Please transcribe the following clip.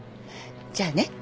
じゃあね。